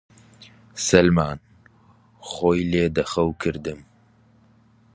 سەلمان! خۆی لێ دە خەو کردم